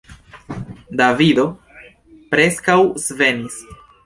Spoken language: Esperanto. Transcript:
Davido preskaŭ svenis.